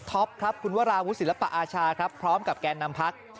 แต่สำหรับเรื่องนั้นขอให้เชื่อกับเตอร์ไทยองค์